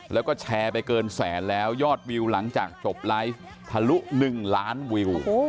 แล้วก็แชร์ไปเกินแสนแล้วยอดวิวหลังจากจบไลฟ์ทะลุ๑ล้านวิว